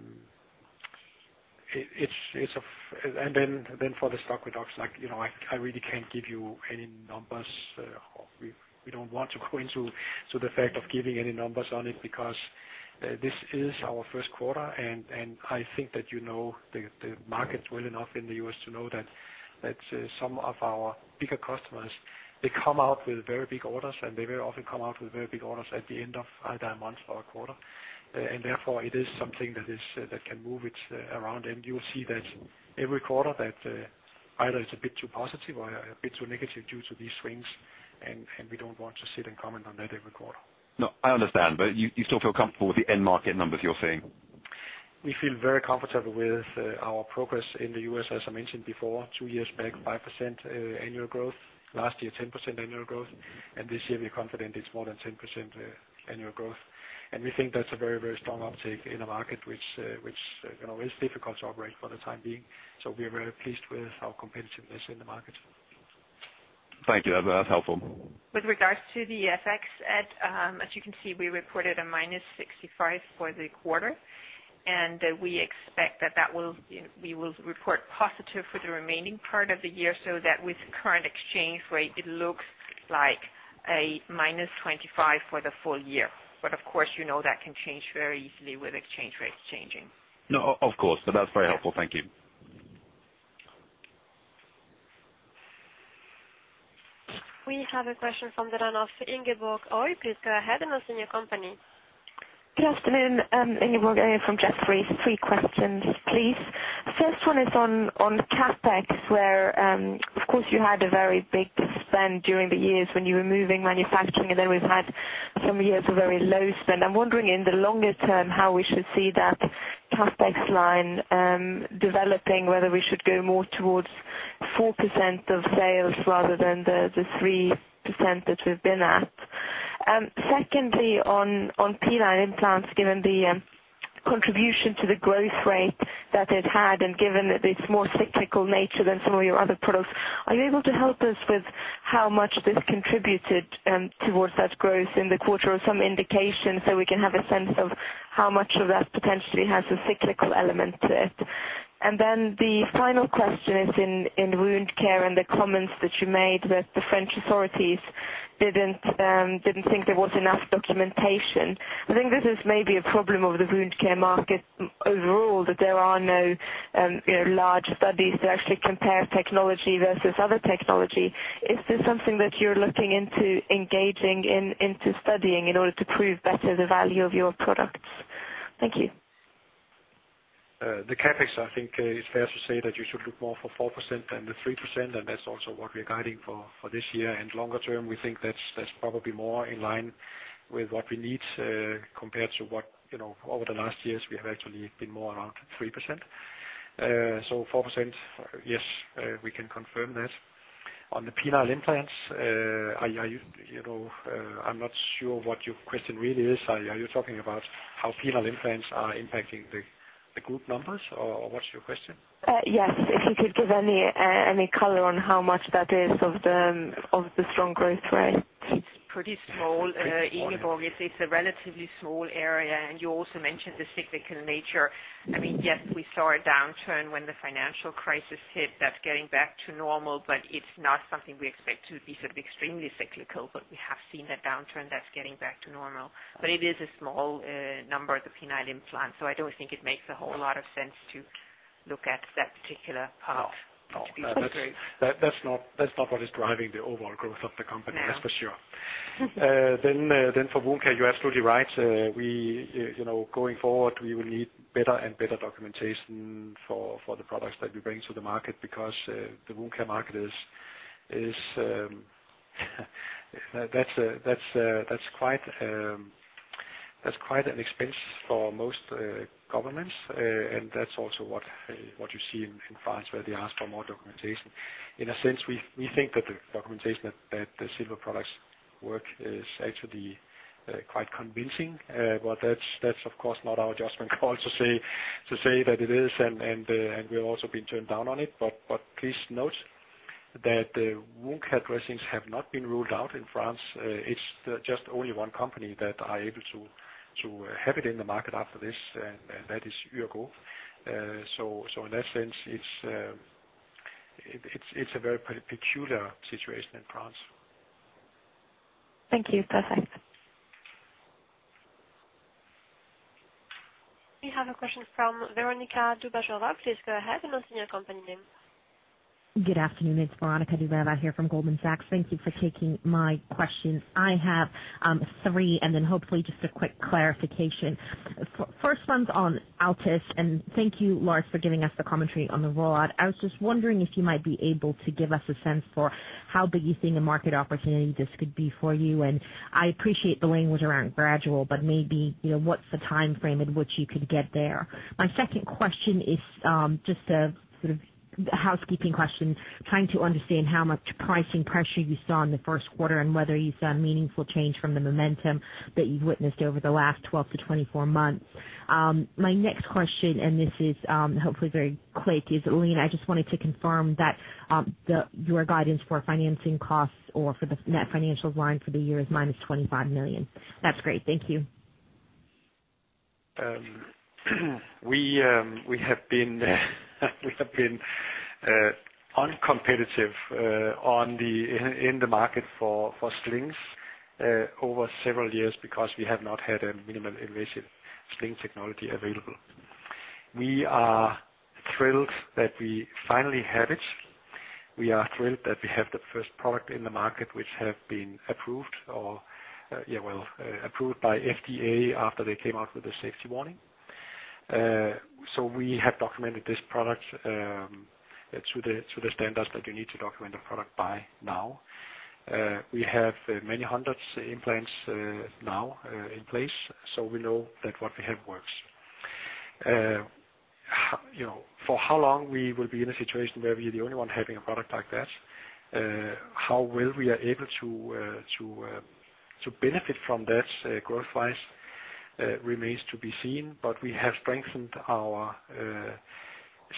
for the stock reductions, like, you know, I really can't give you any numbers. We don't want to go into the fact of giving any numbers on it because this is our first quarter, and I think that you know the market well enough in the US to know that some of our bigger customers, they come out with very big orders, and they very often come out with very big orders at the end of either a month or a quarter. Therefore, it is something that can move it around, and you will see that every quarter that either it's a bit too positive or a bit too negative due to these swings. We don't want to sit and comment on that every quarter. No, I understand, but you still feel comfortable with the end market numbers you're seeing? We feel very comfortable with our progress in the U.S. As I mentioned before, two years back, 5% annual growth. Last year, 10% annual growth, and this year we're confident it's more than 10% annual growth. We think that's a very, very strong uptake in a market which, you know, is difficult to operate for the time being. We are very pleased with our competitiveness in the market. Thank you. That's helpful. With regards to the FX, Ed, as you can see, we reported a minus 65 for the quarter, and we expect that that will, you know, we will report positive for the remaining part of the year. That with current exchange rate, it looks like a minus 25 for the full year. Of course, you know that can change very easily with exchange rates changing. No, of course. That's very helpful. Thank you. We have a question from the line of Ingeborg Øie. Please go ahead and state your company. Good afternoon, Ingeborg Øie from Jefferies. three questions, please. First one is on CapEx, where, of course, you had a very big spend during the years when you were moving manufacturing, and then we've had some years of very low spend. I'm wondering, in the longer term, how we should see that CapEx line developing, whether we should go more towards 4% of sales rather than the 3% that we've been at. Secondly, on P-line implants, given the contribution to the growth rate that it had and given that it's more cyclical nature than some of your other products, are you able to help us with how much this contributed towards that growth in the quarter, or some indication so we can have a sense of how much of that potentially has a cyclical element to it? The final question is in Wound Care and the comments that you made, that the French authorities didn't think there was enough documentation. I think this is maybe a problem of the Wound Care market overall, that there are no, you know, large studies to actually compare technology versus other technology. Is this something that you're looking into engaging in, into studying in order to prove better the value of your products? Thank you. The CapEx, I think, it's fair to say that you should look more for 4% than the 3%, and that's also what we're guiding for this year. Longer term, we think that's probably more in line with what we need, compared to what, you know, over the last years we have actually been more around 3%. Four percent, yes, we can confirm that. On the penile implants, are you know, I'm not sure what your question really is. Are you talking about how penile implants are impacting the group numbers or what's your question? Yes. If you could give any color on how much that is of the strong growth rate? Pretty small. Ingeborg, it's a relatively small area, and you also mentioned the cyclical nature. I mean, yes, we saw a downturn when the financial crisis hit. That's getting back to normal, but it's not something we expect to be sort of extremely cyclical, but we have seen a downturn that's getting back to normal. It is a small number, the penile implant, so I don't think it makes a whole lot of sense to look at that particular part. That's not what is driving the overall growth of the company. No. That's for sure. For Wound Care, you're absolutely right. We, you know, going forward, we will need better and better documentation for the products that we bring to the market, because the Wound Care market is quite an expense for most governments. That's also what you see in France, where they ask for more documentation. In a sense, we think that the documentation that the silver products work is actually quite convincing. That's of course not our judgment call to say that it is, and we've also been turned down on it. Please note that the Wound Care dressings have not been ruled out in France. It's just only one company that are able to have it in the market after this, and that is Urgo. In that sense, it's a very peculiar situation in France. Thank you. Perfect. We have a question from Veronika Dubajova. Please go ahead and state your company name. Good afternoon. It's Veronika Dubajova here from Goldman Sachs. Thank you for taking my questions. I have three, and then hopefully just a quick clarification. First one's on Altis, and thank you, Lars, for giving us the commentary on the roll out. I was just wondering if you might be able to give us a sense for how big you think a market opportunity this could be for you, and I appreciate the language around gradual, but maybe, you know, what's the time frame in which you could get there? My second question is just a sort of housekeeping question, trying to understand how much pricing pressure you saw in the first quarter and whether you saw a meaningful change from the momentum that you've witnessed over the last 12-24 months. My next question, this is, hopefully very quick, is, Line, I just wanted to confirm that, your guidance for financing costs or for the net financial line for the year is -25 million. That's great. Thank you. We have been uncompetitive in the market for slings over several years because we have not had a minimum invasive sling technology available. We are thrilled that we finally have it. We are thrilled that we have the first product in the market which have been approved or, yeah, well, approved by FDA after they came out with a safety warning. We have documented this product to the standards that you need to document a product by now. We have many hundreds implants now in place, we know that what we have works. How... You know, for how long we will be in a situation where we are the only one having a product like that, how well we are able to to benefit from that growth-wise, remains to be seen. We have strengthened our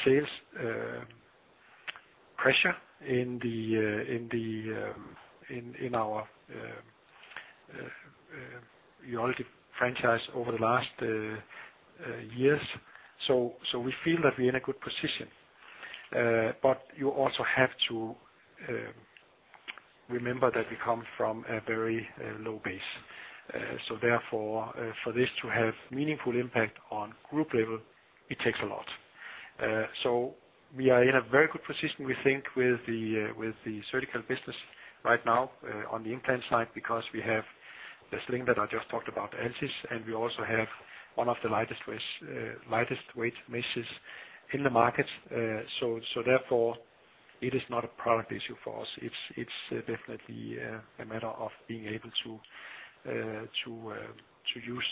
sales pressure in the in our urology franchise over the last years. We feel that we're in a good position. You also have to remember that we come from a very low base. Therefore, for this to have meaningful impact on group level, it takes a lot. We are in a very good position, we think, with the surgical business right now, on the implant side, because we have the sling that I just talked about, Altis, and we also have one of the lightest weight meshes in the market. Therefore, it is not a product issue for us. It's definitely a matter of being able to use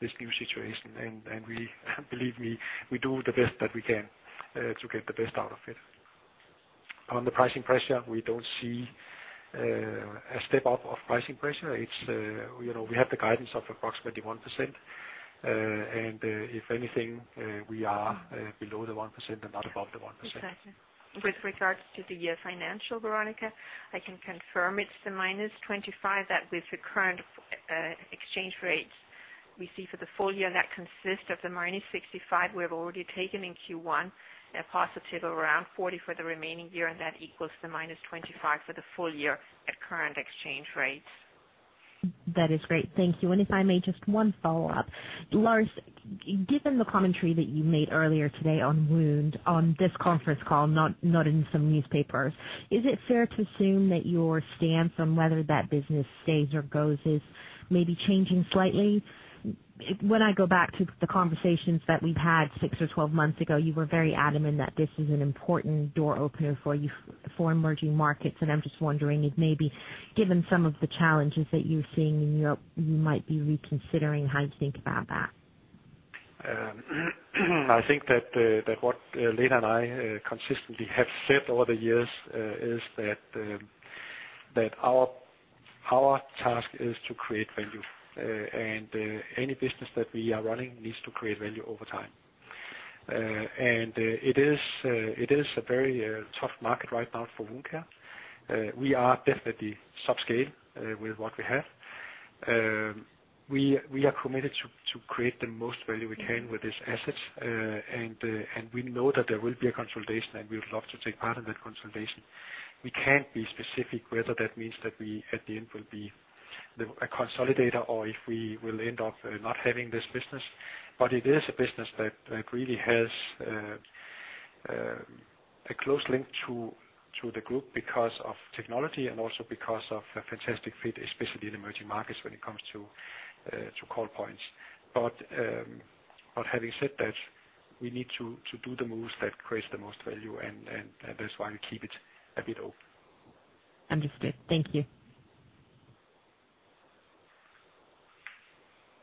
this new situation. We believe me, we do the best that we can to get the best out of it. On the pricing pressure, we don't see a step up of pricing pressure. It's, you know, we have the guidance of approximately 1%, and if anything, we are below the 1% and not above the 1%. With regards to the financial, Veronika, I can confirm it's the -25, that with the current exchange rates we see for the full year, that consists of the -65 we have already taken in Q1, a positive around 40 for the remaining year, and that equals the -25 for the full year at current exchange rates. That is great. Thank you. If I may, just 1 follow-up. Lars, given the commentary that you made earlier today on Wound, on this conference call, not in some newspapers, is it fair to assume that your stance on whether that business stays or goes is maybe changing slightly? When I go back to the conversations that we've had 6 or 12 months ago, you were very adamant that this is an important door opener for you for emerging markets, and I'm just wondering if maybe, given some of the challenges that you're seeing in Europe, you might be reconsidering how you think about that. I think that what Lene Skole and I consistently have said over the years is that our task is to create value. Any business that we are running needs to create value over time. It is a very tough market right now for Wound & Skin Care. We are definitely subscale with what we have. We are committed to create the most value we can with these assets. We know that there will be a consolidation, and we would love to take part in that consolidation. We can't be specific whether that means that we, at the end, will be the, a consolidator or if we will end up not having this business, but it is a business that really has a close link to the group because of technology and also because of a fantastic fit, especially in emerging markets when it comes to call points. Having said that, we need to do the moves that creates the most value and that's why we keep it a bit open. Understood. Thank you.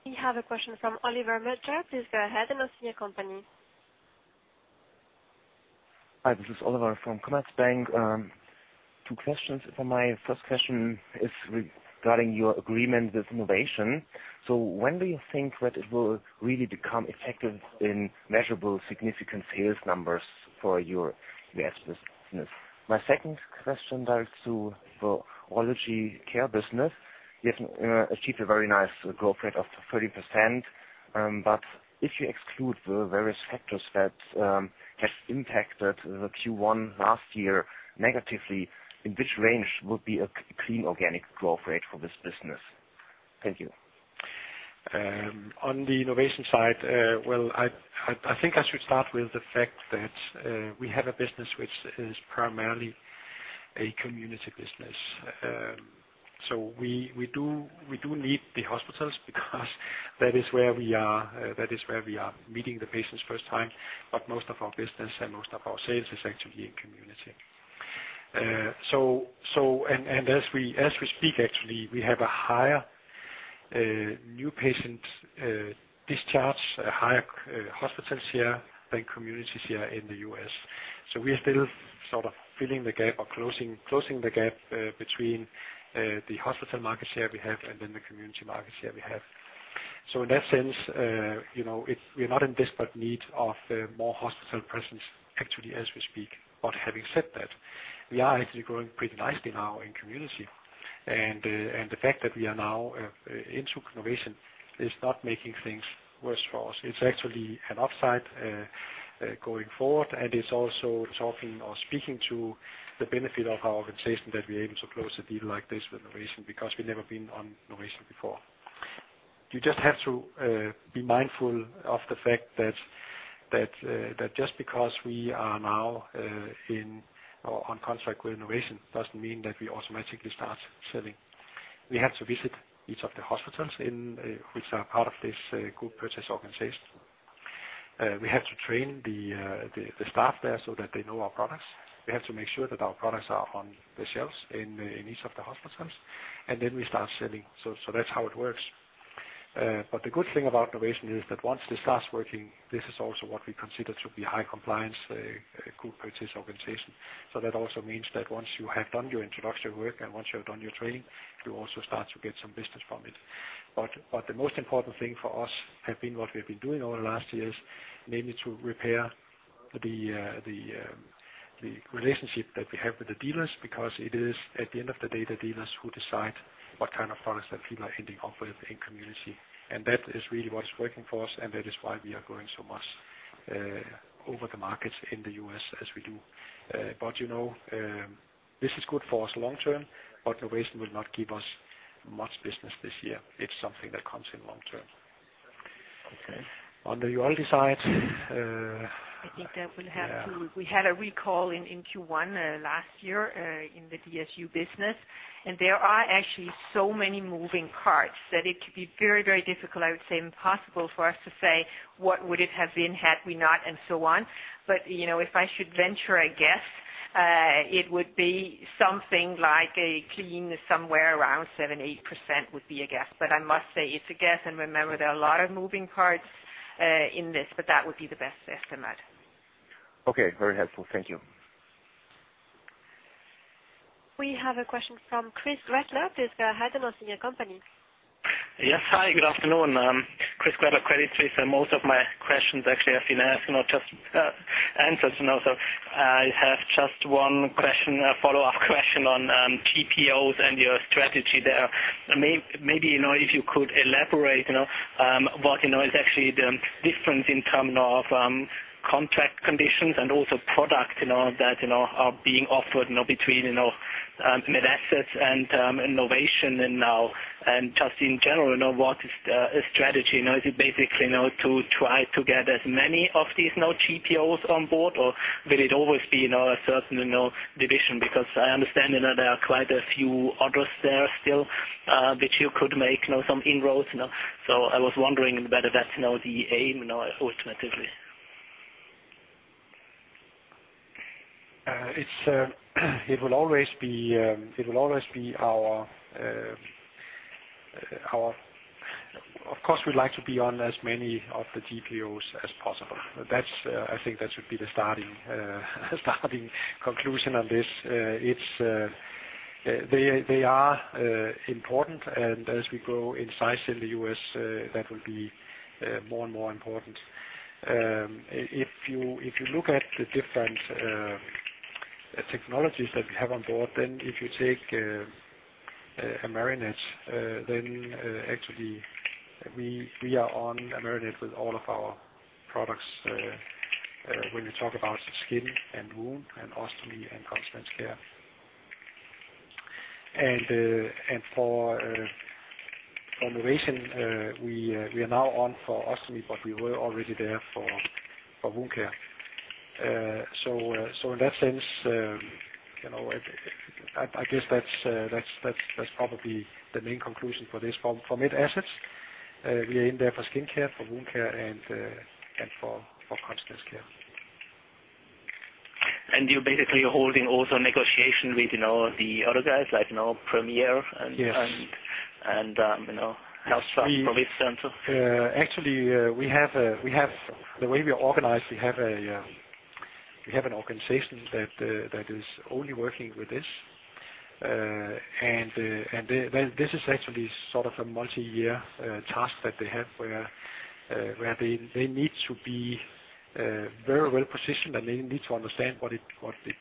We have a question from Oliver Dörler. Please go ahead and your company. Hi, this is Oliver from Commerzbank. Two questions. My first question is regarding your agreement with Novation. When do you think that it will really become effective in measurable, significant sales numbers for your business? My second question relates to the Urology Care business. You've achieved a very nice growth rate of 30%, but if you exclude the various factors that have impacted the Q1 last year negatively, in which range would be a clean organic growth rate for this business? Thank you. Well, I think I should start with the fact that we have a business which is primarily a community business. We do need the hospitals because that is where we are meeting the patients first time, but most of our business and most of our sales is actually in community. As we speak, actually, we have a higher new patient discharge, a higher hospital share than community share in the U.S. We are still sort of filling the gap or closing the gap between the hospital market share we have and then the community market share we have. In that sense, you know, we're not in desperate need of more hospital presence, actually, as we speak. Having said that, we are actually growing pretty nicely now in community. The fact that we are now into innovation is not making things worse for us. It's actually an upside going forward, and it's also talking or speaking to the benefit of our organization, that we're able to close a deal like this with Novation, because we've never been on Novation before. You just have to be mindful of the fact that just because we are now in or on contract with Novation doesn't mean that we automatically start selling. We have to visit each of the hospitals in which are part of this group purchase organization. he staff there so that they know our products. We have to make sure that our products are on the shelves in each of the hospitals, and then we start selling. That's how it works. The good thing about Novation is that once this starts working, this is also what we consider to be high compliance group purchase organization. That also means that once you have done your introductory work and once you have done your training, you also start to get some business from it. The most important thing for us have been what we've been doing over the last years, namely to repair the relationship that we have with the dealers, because it is, at the end of the day, the dealers who decide what kind of products that people are ending up with in community. That is really what is working for us, and that is why we are growing so much over the markets in the U.S. as we do. You know, this is good for us long term, but Novation will not give us much business this year. It's something that comes in long term. Okay. On the Urology side, I think that we'll have to- Yeah. We had a recall in Q1, last year, in the DSU business. There are actually so many moving parts that it could be very, very difficult, I would say impossible, for us to say what would it have been had we not, and so on. You know, if I should venture a guess, it would be something like a clean somewhere around 7%-8% would be a guess. I must say it's a guess, and remember, there are a lot of moving parts in this, but that would be the best estimate. Okay. Very helpful. Thank you. We have a question from Christoph Gretler. Please go ahead and your company. Yes. Hi, good afternoon. Christoph Gretler, Credit Suisse, most of my questions actually have been asked, not just answered, you know, so I have just one question, a follow-up question on GPOs and your strategy there. Maybe, you know, if you could elaborate, you know, what, you know, is actually the difference in term of contract conditions and also product, you know, that, you know, are being offered, you know, between, you know, MedAssets and Novation and now, and just in general, you know, what is a strategy? You know, is it basically, you know, to try to get as many of these, you know, GPOs on board, or will it always be, you know, a certain, you know, division? I understand, you know, there are quite a few others there still, which you could make, you know, some inroads, you know. I was wondering whether that's, you know, the aim, you know, ultimately. it will always be. Of course, we'd like to be on as many of the GPOs as possible. That's, I think that should be the starting conclusion on this. They are important, and as we grow in size in the US, that will be more and more important. If you look at the different technologies that we have on board then if you take Amerinet then actually, we are on Amerinet with all of our products, when you talk about skin and wound and Ostomy and Continence Care. For Novation, we are now on for Ostomy, but we were already there for Wound Care. In that sense, you know, I guess that's probably the main conclusion for this. From MedAssets, we are in there for skin care, for wound care, and for Continence Care. You're basically holding also negotiation with, you know, the other guys, like, you know, Premier... Yes. you know, HealthSouth also. Actually, the way we are organized, we have an organization that is only working with this, and then this is actually sort of a multi-year task that they have where they need to be very well positioned, and they need to understand what it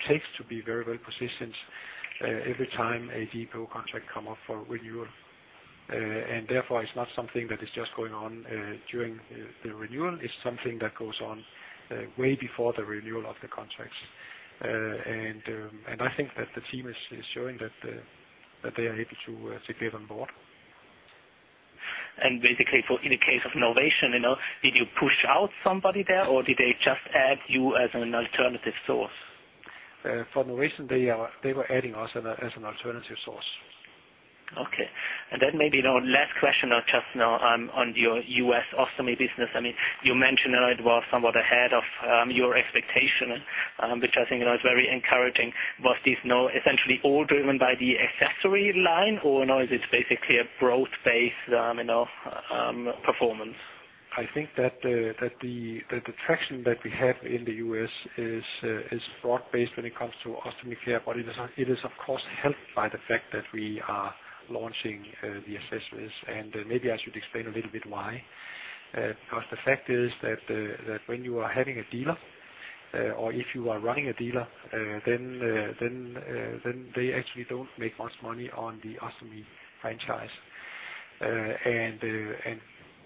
takes to be very well positioned every time a GPO contract come up for renewal. Therefore, it's not something that is just going on during the renewal. It's something that goes on way before the renewal of the contracts. I think that the team is showing that they are able to get on board. Basically, for in the case of innovation, you know, did you push out somebody there, or did they just add you as an alternative source? For the recent they were adding us as an alternative source. Okay. Then maybe, you know, last question on just, you know, on your U.S. ostomy business. I mean, you mentioned that it was somewhat ahead of your expectation, which I think, you know, is very encouraging. Was this now essentially all driven by the accessory line, or, you know, is this basically a broad-based, you know, performance? I think that the traction that we have in the U.S. is broad-based when it comes to Ostomy Care, but it is, of course, helped by the fact that we are launching the accessories, and maybe I should explain a little bit why. The fact is that when you are having a dealer, or if you are running a dealer, then they actually don't make much money on the Ostomy franchise.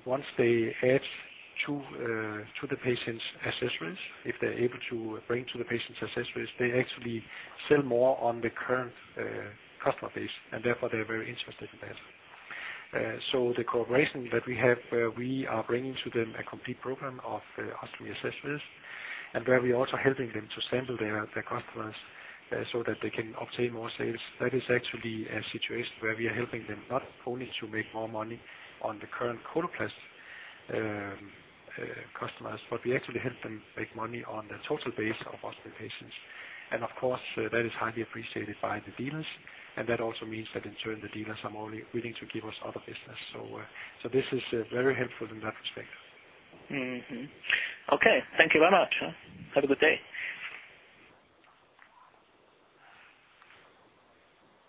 Once they add to the patient's accessories, if they're able to bring to the patient's accessories, they actually sell more on the current customer base, and therefore, they're very interested in that. The cooperation that we have, we are bringing to them a complete program of ostomy accessories, and where we are also helping them to sample their customers, so that they can obtain more sales. That is actually a situation where we are helping them not only to make more money on the current Coloplast customers, but we actually help them make money on the total base of ostomy patients. Of course, that is highly appreciated by the dealers, and that also means that in turn, the dealers are more willing to give us other business. This is very helpful in that respect. Okay, thank you very much. Have a good day.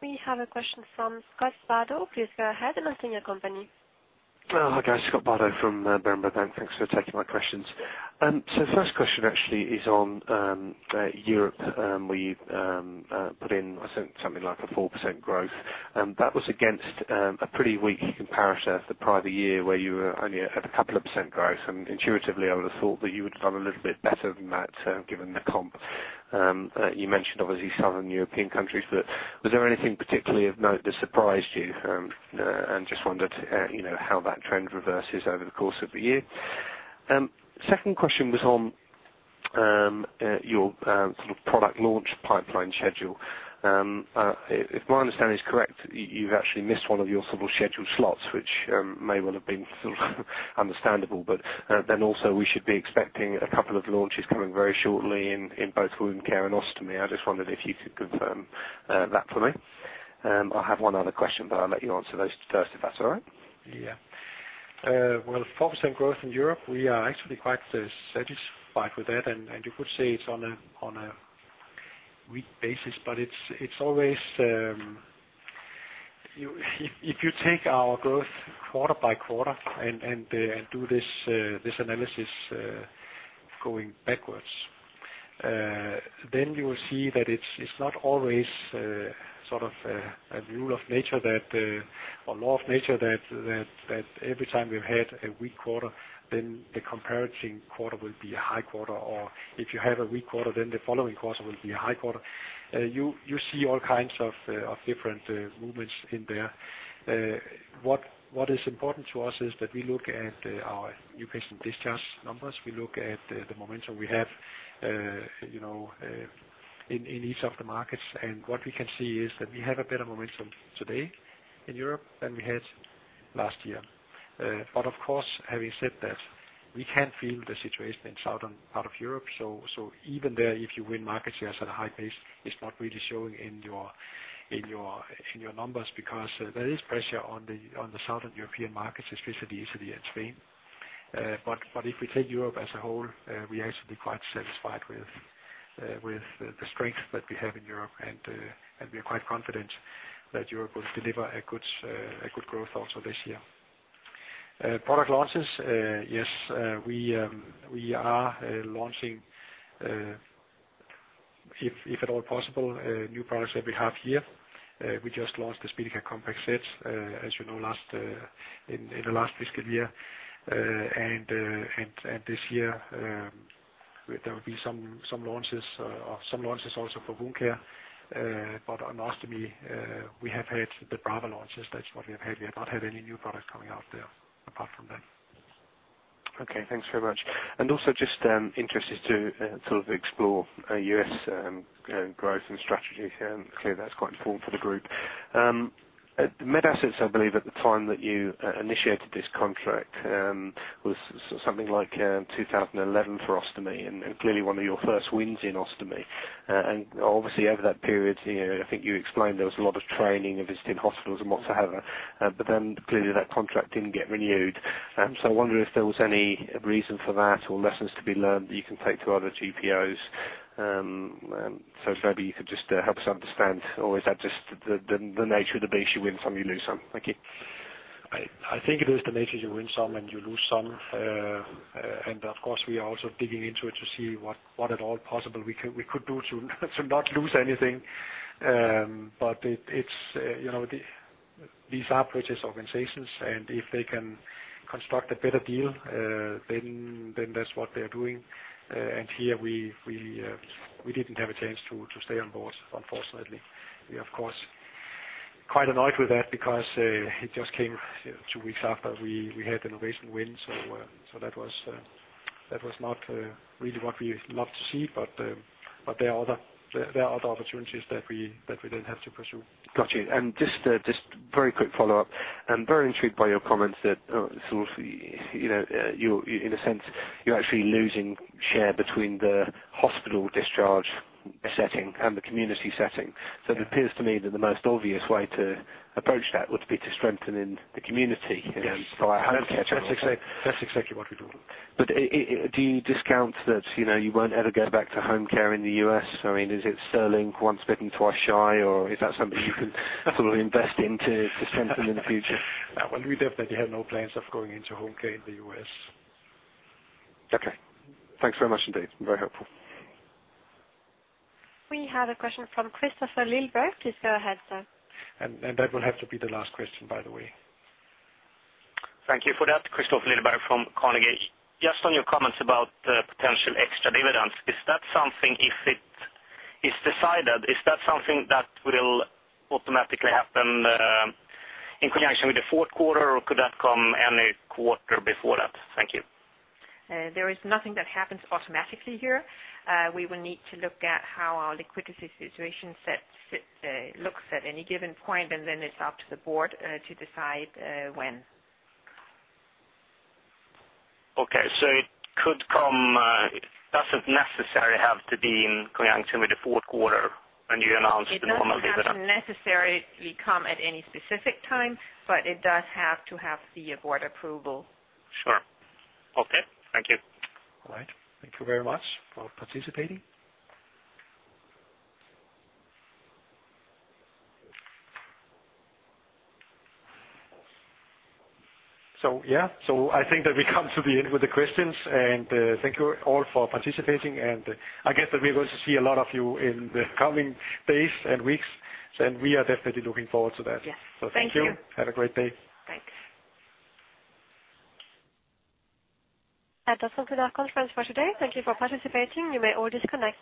We have a question from Scott Bardo. Please go ahead and state your company. Hi, guys, Scott Bardo from Berenberg Bank. Thanks for taking my questions. The first question actually is on Europe. We put in, I think, something like a 4% growth, and that was against a pretty weak comparator for part of the year, where you were only at a couple of % growth, and intuitively, I would've thought that you would've done a little bit better than that, given the comp. You mentioned obviously southern European countries, but was there anything particularly of note that surprised you? Just wondered, you know, how that trend reverses over the course of the year. Second question was on your sort of product launch pipeline schedule. If my understanding is correct, you've actually missed one of your sort of scheduled slots, which may well have been sort of understandable. Also we should be expecting a couple of launches coming very shortly in both Wound Care and Ostomy. I just wondered if you could confirm that for me. I have one other question, I'll let you answer those first, if that's all right. Yeah, well, 4% growth in Europe, we are actually quite satisfied with that. You could say it's on a weak basis, but it's always... If you take our growth quarter by quarter and do this analysis going backwards, you will see that it's not always sort of a rule of nature, a law of nature, that every time we've had a weak quarter, then the comparing quarter will be a high quarter. If you have a weak quarter, then the following quarter will be a high quarter. You see all kinds of different movements in there. What is important to us is that we look at our new patient discharge numbers. We look at the momentum we have, you know, in each of the markets, and what we can see is that we have a better momentum today in Europe than we had last year. Of course, having said that, we can feel the situation in Southern part of Europe. Even there, if you win market shares at a high pace, it's not really showing in your numbers because there is pressure on the Southern European markets, especially Italy and Spain. If we take Europe as a whole, we are actually quite satisfied with the strength that we have in Europe, and we are quite confident that Europe will deliver a good growth also this year. Product launches, yes, we are launching, if at all possible, new products that we have here. We just launched the SpeediCath Compact Set, as you know, in the last fiscal year. This year, there will be some launches also for wound care. On ostomy, we have had the Brava launches. That's what we have had. We have not had any new products coming out there apart from that. Okay, thanks very much. Also just interested to sort of explore a U.S. growth and strategy. Clearly, that's quite important for the group. MedAssets, I believe at the time that you initiated this contract, was something like 2011 for ostomy, and clearly one of your first wins in ostomy. And obviously, over that period, you know, I think you explained there was a lot of training and visiting hospitals and what have you. Clearly, that contract didn't get renewed. I wonder if there was any reason for that or lessons to be learned that you can take to other GPOs? If maybe you could just help us understand, or is that just the nature of the beast? You win some, you lose some. Thank you. I think it is the nature. You win some, and you lose some. Of course, we are also digging into it to see what at all possible we can, we could do to not lose anything. It's, you know, these are purchase organizations, and if they can construct a better deal, then that's what they are doing. Here we didn't have a chance to stay on board, unfortunately. We of course, quite annoyed with that because it just came two weeks after we had an innovation win. That was not really what we love to see. There are other opportunities that we then have to pursue. Got you. Just a very quick follow-up. I'm very intrigued by your comments that, so, you know, you, in a sense, you're actually losing share between the hospital discharge setting and the community setting. It appears to me that the most obvious way to approach that would be to strengthen in the community- Yes. By home care. That's exactly what we're doing. Do you discount that, you know, you won't ever go back to home care in the U.S.? I mean, is it Sterling, once bitten, twice shy, or is that something you can sort of invest in to strengthen in the future? Well, we definitely have no plans of going into home care in the U.S. Okay. Thanks very much indeed. Very helpful. We have a question from Christopher Lyrhem. Please go ahead, sir. That will have to be the last question, by the way. Thank you for that. Christopher Lyrhem from Carnegie. Just on your comments about the potential extra dividends, is that something if it is decided, is that something that will automatically happen, in connection with the fourth quarter, or could that come any quarter before that? Thank you. There is nothing that happens automatically here. We will need to look at how our liquidity situation sets, looks at any given point, and then it's up to the board, to decide, when. Okay. It could come. It doesn't necessarily have to be in connection with the fourth quarter when you announce the normal dividend. It doesn't have to necessarily come at any specific time, but it does have to have the board approval. Sure. Okay. Thank you. All right. Thank you very much for participating. Yeah, so I think that we come to the end with the questions, and thank you all for participating, and I guess that we're going to see a lot of you in the coming days and weeks, and we are definitely looking forward to that. Yes. Thank you. Thank you. Have a great day. Thanks. That does conclude our conference for today. Thank you for participating. You may all disconnect.